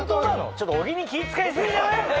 ちょっと小木に気使い過ぎじゃない？